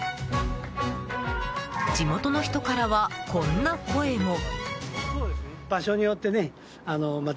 地元の人からはこんな声も。